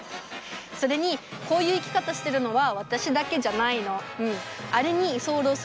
それにこういう生き方してるのは私だけじゃないの。